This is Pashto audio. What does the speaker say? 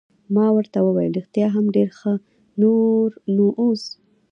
ما ورته وویل: رښتیا هم ډېر ښه، نور نو اوس.